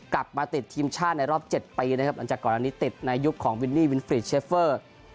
กลับมาติดทีมชาติในรอบ๗ปีนะครับหลังจากก่อนอันนี้ติดในยุคของวินนี่วินฟรีดเชฟเฟอร์